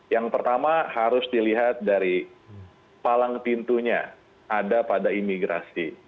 yang pertama harus dilihat dari palang pintunya ada pada imigrasi